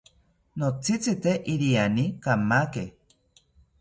Notzitzite iriani kamaki